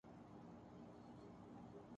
دیپیکا کے انوکھے بیان نے کردیا کرینہ کو پریشان